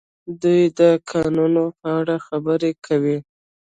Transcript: دوی د کانونو په اړه خبرې کوي.